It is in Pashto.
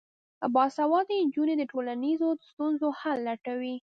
باسواده نجونې د ټولنیزو ستونزو حل لټوي.